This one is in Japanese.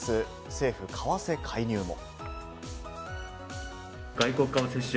政府、為替介入も。